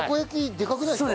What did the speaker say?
でかくないですか？